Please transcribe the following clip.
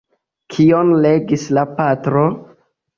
Kion legis la patro?